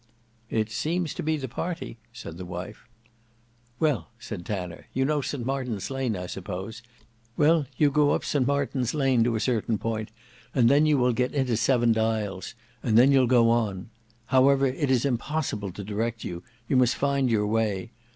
"It seems to be the party," said the wife. "Well," said Tanner, "you know St Martin's Lane I suppose? Well, you go up St Martin's Lane to a certain point, and then you will get into Seven Dials; and then you'll go on. However it is impossible to direct you; you must find your way.